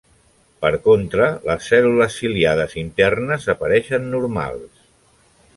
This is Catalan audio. Per contra les cèl·lules ciliades internes apareixen normals.